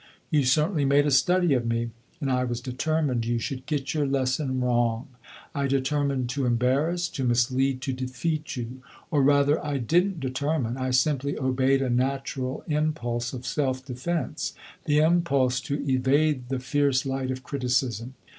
"You certainly made a study of me and I was determined you should get your lesson wrong. I determined to embarrass, to mislead, to defeat you. Or rather, I did n't determine; I simply obeyed a natural impulse of self defence the impulse to evade the fierce light of criticism.